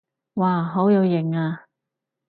哇好有型啊